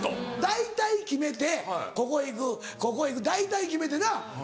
大体決めてここ行くここ行く大体決めてな。